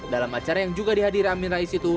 dalam acara yang juga dihadiri amir rais itu